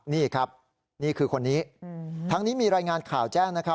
นี่ครับนี่คือคนนี้ทั้งนี้มีรายงานข่าวแจ้งนะครับ